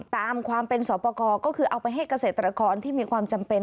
ตามความเป็นสอบประกอบก็คือเอาไปให้เกษตรกรที่มีความจำเป็น